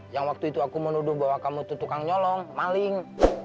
yang waktu itu aku menuduh bahwa kamu itu tukang nyolong maling